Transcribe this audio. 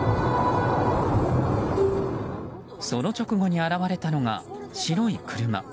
その直後に現れたのが白い車。